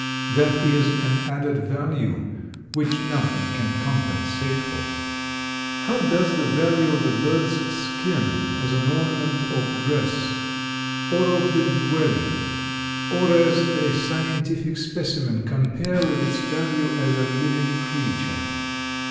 That is an added value which nothing can compensate for. How does the value of the bird's skin as an ornament of dress or of the dwelling, or as a scientific specimen compare with its value as a living creature?